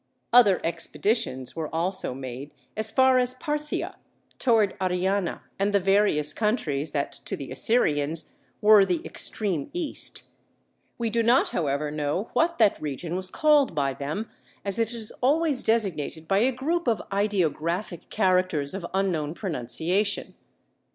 Other expeditions were also made as far as Parthia, toward Ariana and the various countries that, to the Assyrians, were the extreme East. We do not, however, know what that region was called by them, as it is always designated by a group of ideographic characters of unknown pronunciation.